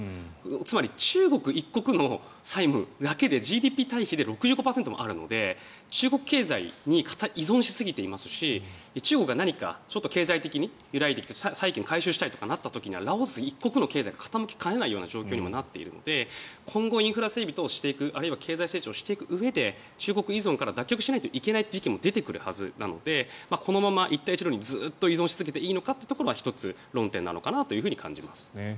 つまり中国一刻の債務だけでＧＤＰ対比で６５％もあるので中国経済に依存しすぎていますし中国が何か経済的に揺らいできた債権を回収したいとなった時にラオス一国の経済が傾きかねないような状況にもなっているので今後、インフラ整備などをしていくあるいは経済成長していくうえで中国依存から脱却しなければいけない時期も出てくるはずなのでこのまま一帯一路にずっと依存し続けていいかというのは１つ論点なのかなと思います。